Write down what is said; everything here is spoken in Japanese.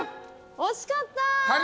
惜しかった。